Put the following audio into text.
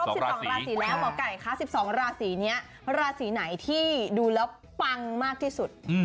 ๑๒ราศีแล้วหมอไก่คะ๑๒ราศีนี้ราศีไหนที่ดูแล้วปังมากที่สุด